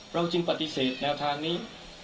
จึงปฏิเสธแนวทางนี้